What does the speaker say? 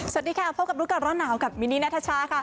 สวัสดีค่ะพบกับรู้ก่อนร้อนหนาวกับมินนี่นัทชาค่ะ